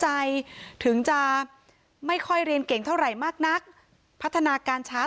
แต่ก็เหมือนกับว่าจะไปดูของเพื่อนแล้วก็ค่อยทำส่งครูลักษณะประมาณนี้นะคะ